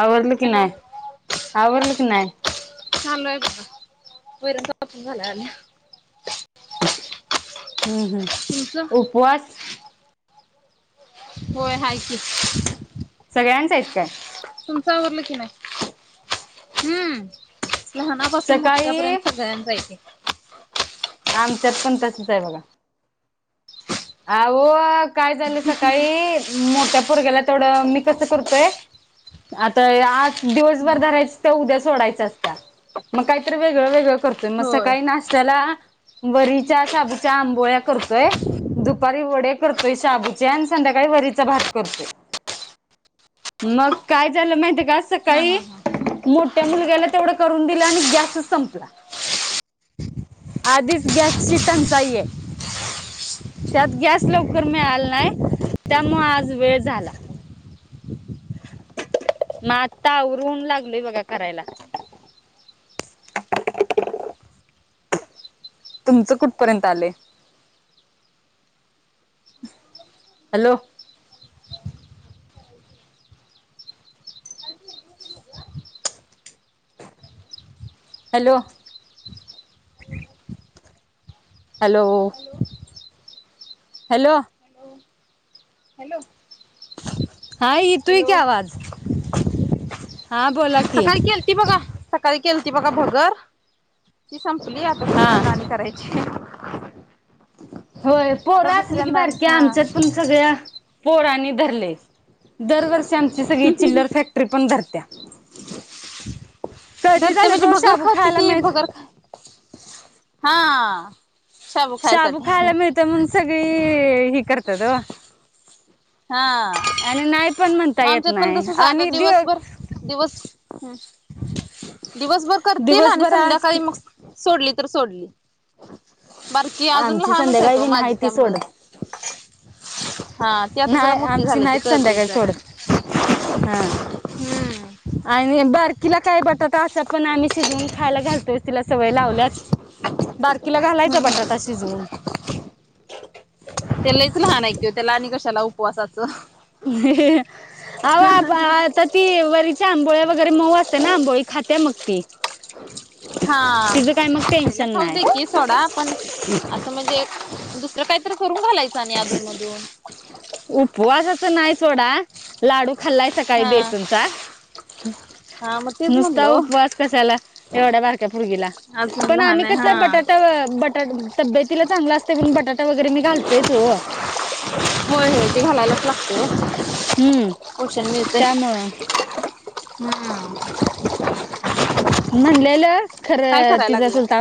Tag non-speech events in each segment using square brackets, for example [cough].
आवरलं की हॅलो नाय, आवरलं की नाय? चालू आहे वैरण कापून [unintelligible] हम्म हम्म तुमचं उपवास? होय हाय की. सगळ्यांच आहेत काय? तुमचं आवरलं की नाय? हम्म. लहानापासून सकाळी मोठ्यापर्यंत सगळ्यांना च्यायत. आमच्यात पण तसच आहे बघा. अहो काय झालं सकाळी मोठ्या पोरग्याला थोडं मी कसं करतोय आता आज दिवसभर धरायच त्या उद्या सोडायच असत्या. मग काहीतरी वेगळ वगळं करत मग होय सकाळी नाशत्याला वरीच्या, शाबूच्या आंबोळ्या करतोय, दुपारी वडे करतोय शबूचे, आणि संध्याकाळी वरीचा भात करतोय. मग काय झालं माहितीय का हा सकाळी हा हा मोठ्या मुलग्याला तेवढं करून दिलं आणि गॅसच संपला. आधीच गॅसची टनचाइ ये. त्यात गॅस लवकर मिळाला नाही त्यामुळं आज वेळ झाला. म आत्ता आवरून लागलोय बघा करायला. [inaudible] तुमचं कुठपर्यंत आलय. Hello. Hello! Hello hello! Hello. हा येतोय हॅलो की आवाज. हां बोला की. सकाळी केल ती बघा सकाळी केल ती बघा भगर ती संपली आता. हां हां करयची [inaudible] होय आता पोहरं असली की दुसऱ्यांदा आणि बारके हा आमच्यात पण सगळ्या पोरनी धरलय. दरवर्षी आमची सगळी चिल्लर फॅक्टरी पण धरत्या. कळती धरते झालेत म्हणजे भगर शाबू खाते खायला ती मिळत भगर खा हा शाबू खायला मिळत मग सगळी ह करतात. हा आणि नाही पण म्हणता मग येत आमच्यात पण नाही तसच आहे, आता आणि दिव दिवसभर दिवस ह दिवसभर करतील आणि दिवसभर आज संध्याकाळी मग सोडली तर सोडली बरकी अजून आमची लहानच संध्याकाळी आहेत बी नाही माझी ती त्यामुळं. सोडत हा ती आता जरा नाही मोठ्ठे आमची झाले ते नाहीत कळते संध्याकाळी जरा. सोडत हा हम्म आणि बारकीला काय बटाटा असं पण आम्ही शिजवून खायला घालतोय तिला सवय लावल्याच बारकीला घालायचा बटाटा शिजवून त्यो लयच लहान ऐ कि त्याला आणि कशाला उपवासाचं. आ [inaudible] आता ती वरीच्या आंबोळ्या वगैरे मऊ असते ना आंबोळी खाते मग ती. हा तिचं काय मग खायला टेन्शन खाऊ नाही दे की सोडा पण, म्हणजे दुसरं कायत करून घालायचं नाही अधून मधून. उपवासाच नाही सोडा लाडू खाल्लायच सकाळी हा बेसनचा. हा मग तेच नुस्ता म्हणलो उपवास कशाला एवढ्या बारक्या पोर्गीला. अजून पण आम्ही लहान कस आहे हा बटाटा बट तब्यतीला चांगला असते पण बटाटा वगैरे मी घालतेच हो! होय होय ते घलायलाच लागतं हो. हम्म त्यामुळं. हा. म्हणलेलं काय खरं करायला तिझं लागलाय चुलता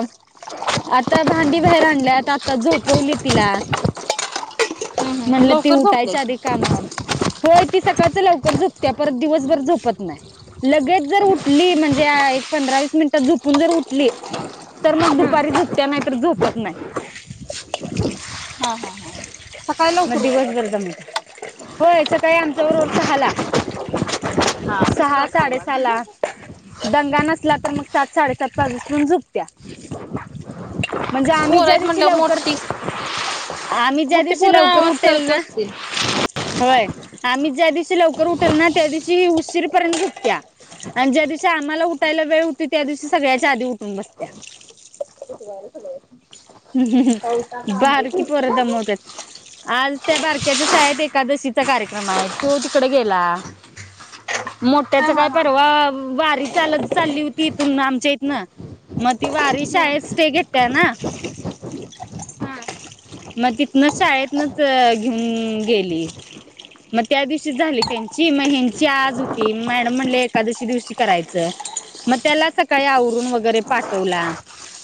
आता भांडी बाहेर आणल्यात, आता झोपवली तिला. हम्म हम्म म्हणलं ती लवकर झोपले उठायच्या आधी कामं आवरा, होय. ती सकाळचं लवकर झपत्या परत दिवसभर झोपत नाही लगेच जर उठली म्ह णज्या एक पंधरा वीस मिनिटात झोपून जर उठली, तर मग हम्म दुपारी झोपत्या, नाही तर झोपत नाय. हा हा हा. सकाळी मग लवकर उठत असतात. दिवसभर [unintelligible] होय सकाळी आमच्याबरोबर सहाला. हा तसच सहा असतंय साडे सहाला. मग. दंगा नसला तर मग सात साडेसात पर्यंत झोप त्या म्हणजे आम्ही पोर ज्या आहेत दिवशी म्हटल्यावर लवकर मोठी आम्ही ज्या मोठी दिवशी पोरं लवकर आवाज उठेल करत ना? असतील. होय, आम्ही ज्या लवकर उठेल ना त्या दिवशी उशीरपर्यंत झोपत्या. आणि ज्या दिवशी आम्हाला उठायला वेळ होतंय त्या दिवशी सगळ्याच्या आधी उठून बसत्या. [unintelligible] बारकी पोरं दमवत्यात. आज त्या बारक्याच्या शाळेत एकादशीचा कार्यक्रम आहे तो तिकडे गेला. हा मोठ्याचं काय हा हा परवा वारी चालत चालली होती इथून आमच्या इथनं मग ती वारी शाळेत हम्म स्टे घेते ना. [inaudible] मग तिथनं शाळेतनंच घेऊन गेली. मग त्या दिवशी झाली त्यांची मग ह्यांची आज होती, मॅडम म्हणले एकादशी दिवशी करायचं. मग त्याला सकाळी आवरून वगैरे पाठवला,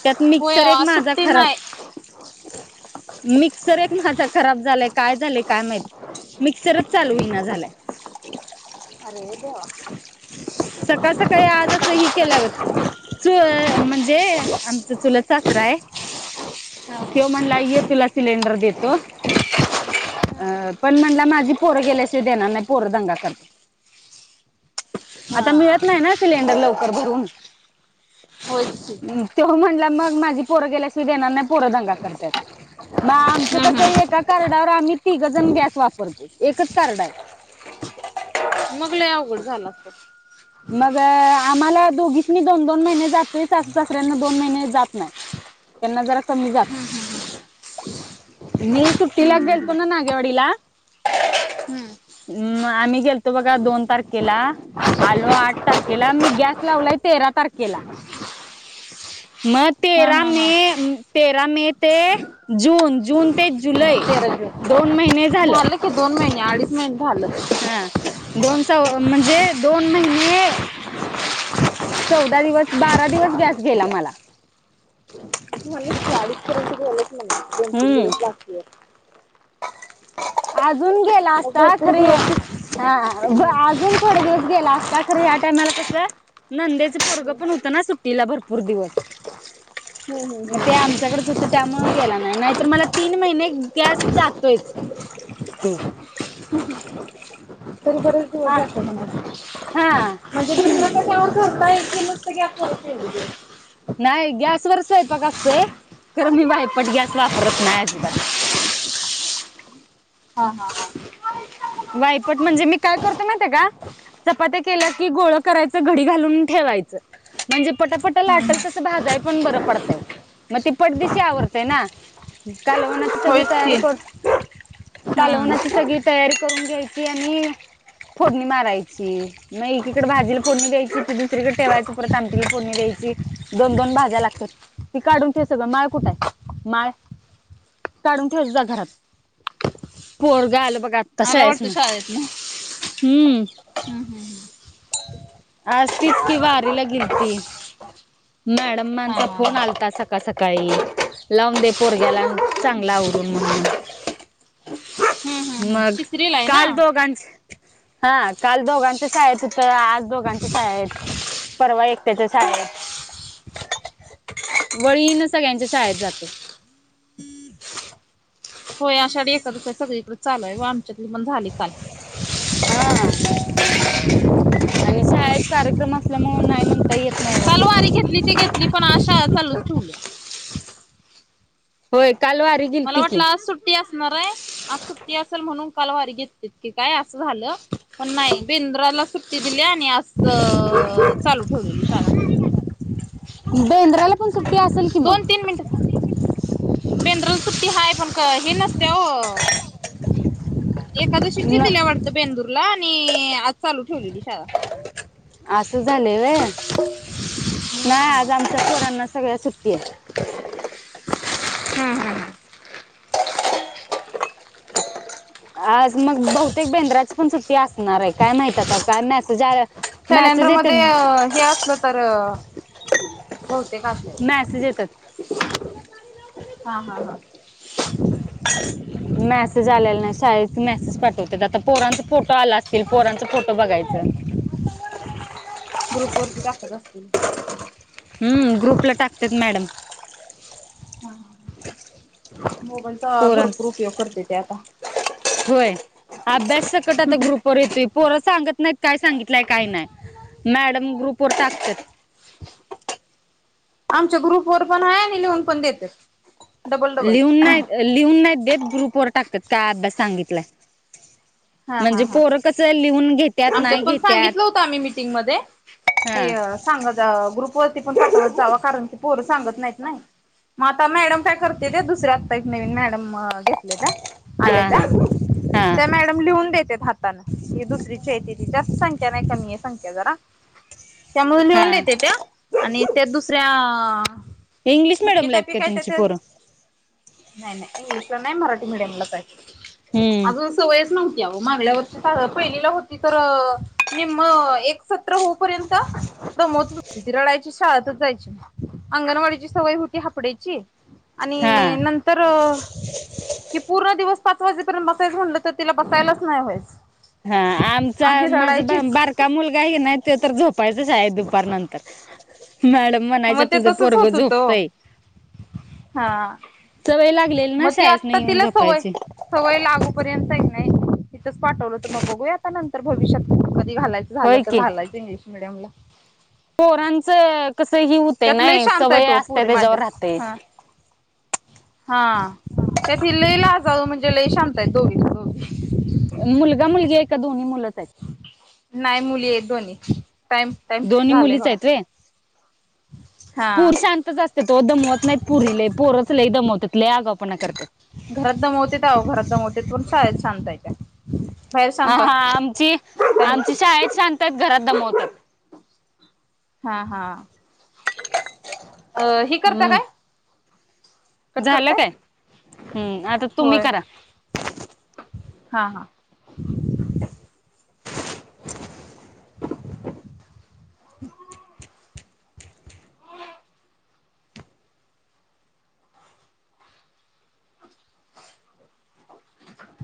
त्यात होय मिक्सर ओ एक आज माझा सुट्टी खराब नाही. [inaudible] मिक्सर एक माझा खराब झालाय काय झालंय काय माहित? मिक्सरचं चालू होईना झालाय. अरेे देवा. सकाळ सकाळी आजचं ही केल्या ग चू म्हणजे आमचं चुलत सासराय. त्यो म्हणला ये तुला सिलेंडर देतो. अं पण म्हणला माझी पोरं गेल्याशिवाय देणार नाही पोरं दंगा कर आता मिळत हा नाही ना सिलेंडर लवकर भरून. होय की. त्यो म्हटला मग माझी पोरं गेल्याशिवाय देणार नाही पोरं दंगा करत्यालं. मग आमचं हम्म कसं हम्म एका कार्डावर आम्ही तिघंजण गॅस वापरतो एकच कार्ड हाय. मग लय अवघड झालं असतं. मग आम्हाला दोघीसनी दोन दोन महिने जातोय सासू सासऱ्यांना दोन महिने जात नाही. त्यांना जरा कमी जात. मी सुट्टीला हम्म गेलतो ना नागेवडीला? हम्म अम् मग आम्ही गेलतो बघा दोन तारखेला. आलो आठ तारखेला, मी गॅस लावलाय तेरा तारखेला. मग हा तेरा हा मे हा तेरा मे ते जून, जून ते जुलै तेरा जून दोन महिने झालं. [unintelligible] दोन महिने अडीच महिने झालं. हा, दोन स म्हणजे दोन महिने चौदा दिवस, बारा दिवस गॅस गेला मला म्ह चाळीस पय गेलच म्ह दोन, तीन हम्म दिवस लागतील अजून गेला मग असता भरपूर खर ये दिवस हा ब अजून थोडे दिवस गेला असता खरं या टायमाला कस नंदेच पोरगं पण होतं ना सुट्टीला भरपूर दिवस हम, हम मग ते आमच्याकडेच होतं त्यामुळं गेला नाही नाहीतर मला तीन महिने गॅस जातोयच हम [unintelligible] चल परत हा, हा सुनबाई [unintelligible] नाही गॅसवर स्वयंपाक असत खर मी वायपट गॅस वापरत नाही अजिबात हा, हा, हा वायपट म्हणजे मी काय करतो माहिती का चपात्या केल्या की गोळ करायचं घडी घालून ठेवायचं म्हणजे पटापट हम्म हम्म लाटल तसं भाजाय पण बरं पडतंय म ती पटदशी आवरतय ना कालवनाची सगळी होयच तयारी की कर हम्म कालवनाची सगळी तयारी करून घ्यायची आणि फोडणी मारायची मग एकीकडे भाजीला फोडणी द्यायची दुसरीकडे ठेवायची परत आमटीला फोडणी द्यायची दोन, दोन भाज्या लागत्यात ती काढून ठेव सगळं माळ कुठ आहे माळ काढून ठेव जा घरात पोरग आलं बघा तसं मला आहेस वाटतं हम हम, हम आज तिचं की वारीला गेलती मॅडम मान हा चा हा हा फोन आलता स सकाळी लावून दे पोरग्याला चांगला आवरून म्हणून हम्म हम्म हम्म मग तिसरीला आहे ना काल दोघांच हा काल दोघांच शाळेत हुती तर आज दोघांच्या शाळेत परवा एकट्याच्या शाळेत वळीन सगळ्याच्या शाळेत जातय होय आषाढी एकादस सळीकडें चालूय व आमच्यातली पण झालय काल हा आणि शाळेत कार्यक्रम असल्यामुळे नाही म्हणता येत नाही काल ना ओ वारी घेतली ते घेतली पण आज शाळा चालूच ठेवल्या होय काल वाट मला वाटलं आज सुट सुट्टी असणार आहे आज सुट्टी असेल म्हणून काल वारी घेतते की काय असं झाल पण नाही बेंद्राला सुट्टी दिल्या आणि आज अ चालू ठेवलेली शाळा बेंद्राला पण सुट्टी असल की मग बेद्राला सुट्टी हाय पण का हे नसत्या ओ एकादशीची न दिल्या वाटत बेंदूरला आणि आज चालू ठेवलेली शाळा असं झालंय वय नाही आज आमच्या पोरांना सगळ्या सुट्टीय हा, हा आज मग बहुतेक बेंद्राची पण सुट्टी असणार आहे, काय माहित आता? काय मॅसेज मॅसेज कॅलेंडरमध्ये येतात हे असलं तर बहुतेक मॅसेज असेल येतात हा हा हा. [inaudible] मेसेज आलेला नाही, शाळेतनं मेसेज पाठवतात, आता पोरांचं फोटो आला असतील? पोरांचं फोटो बघायचं. ग्रुपवरती टाकत असतील? हम्म ग्रुपला टाकतेत मॅडम. हा हा मोबाईलचा भरपूर उपयोग करतेती आता. व्हय. अभ्यासकट आता ग्रुपवर येतोय, पोरं सांगत नाहीत काय सांगितलंय काही नाही. मॅडम ग्रुपवर टाकतेत. आमच्या ग्रुपवर पण आहे आणि लिहून पण देतेत. लिहून नाही लिहून नाहीत देत ग्रुपवर टाकत्यात काय अभ्यास सांगितलाय. हा हा म्हणजे हा पोरं कसं लिहून घेत आमच्यात पण सांगितलं होतं आम्ही मीटिंगमध्ये हा की सांग त ग्रुप वरती पण पाठवत जावा कारण की पोरं सांगत नाहीत नाही. मग आता मॅडम काय करत्या त्या दुसऱ्या आत्ता एक नवीन मॅडम घेतले त्या. आले हा त्या, हा हा त्या मॅडम लिहून देत्यात हातानं ही दुसरी [unintelligible] जास्त संख्या नाही कमी आहे संख्या जरा त्यामुळं लिहून हा देत्यात्या. आणि त्या दुसऱ्या इंग्लिश मिडयमला आहेत काय मुख्याध्यापिका तुमची त्या पोरं? नाही नाही इंग्लिशला नाही मराठी मीडियमलाच हाय. हम्म अजून सोयचं नव्हती आव मागल्या वर्षी पहिलीला होती तर निम्म एक सतरा होऊ पर्यंत दमवत होती ती रडायचीच. शाळेतचं जायची अंगणवाडीची सवय होती हाप डे ची आणि हा नं तर कि पूर्ण दिवस पाच वाजेपर्यंत बसायचं म्हटलं तर तिला बसायलाचं नाही व्हायचं. हा आमचा आणि माझा बा रडायचीच बारका मुलगा आहे की नाय त्यो तर झोपायचं शाळेत दुपार नं मॅडम मग म्हणायच्या ते तुझं तसच पोरगं होत होत झोपतंय. हा सवय लागलेली ना मग ती शाळेतनं आत्ता येवून तिला सवय झोपायची. सवय लागूपर्यंत की नाय तिथंच पाठवलं तर मग बघूया आता नंतर भविष्यात कधी घालाय झालं होय तर की घालायंच इंग्लिश मिडियमला. पोरांचं कसं ही होते त्यात लय नाय शांत आहे सवय तो असते पोरी माझ्या त्याच्यावर राहतंय. हा हा त्यात ही लई लाजाळू म्हणजे लय शांतय दोघी दोघी मुलगा मुलगी आहे की दोन्ही मुलंच आहेत? नाही मुली आहेत दोन्ही टाईम टाईम दोन्ही झालंय मुलीच बघा. हा पोरी शांतचं असतेत ओ दमवत नाहीत पोरी लई पोराचं लईच दमवतेत लई आगावपणा करत्यात. घरात दमवतेत अवो घरात दमवतेत पण शाळेत शांतय त्या बाहेर हा शांत हा असते. [unintelligible] टाइम आमची शा त्या घरात दमवतात. हा हा. अ ही करता हम्म काय? कट झालं करताय काय? हम् आता तुम्ही होय करा. हा हा. [inaudible] [inaudible]